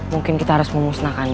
mungkin kita harus memusnahkannya